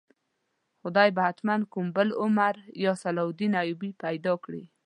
خدای به حتماً کوم بل عمر یا صلاح الدین ایوبي پیدا کړي.